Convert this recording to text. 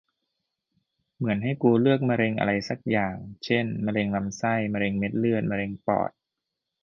เหมือนให้กูเลือกมะเร็งอะไรสักอย่าง เช่น มะเร็งลำไส้ มะเร็งเม็ดเลือด มะเร็งปอด